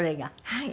はい。